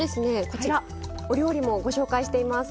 こちらお料理もご紹介しています。